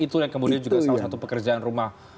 itu yang kemudian juga salah satu pekerjaan rumah